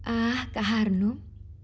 ah kak harnum